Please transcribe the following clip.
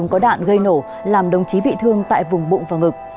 có đạn gây nổ làm đồng chí bị thương tại vùng bụng và ngực